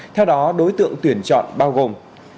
theo đó đối tượng tuyển chọn bao gồm